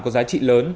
có giá trị lớn